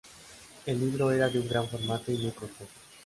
El libro era de un gran formato y muy costoso.